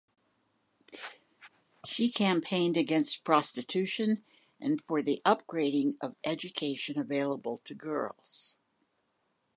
She campaigned against prostitution and for the upgrading of education available to girls.